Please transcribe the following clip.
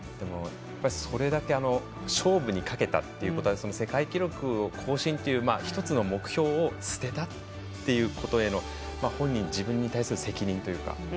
それだけ勝負にかけたってことは世界記録を更新という１つの目標を捨てたっていうことへの本人、自分に対する責任というか。